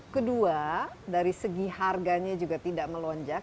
kedua dari segi harganya juga tidak melonjak